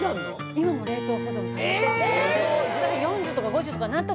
今も冷凍保存されてて。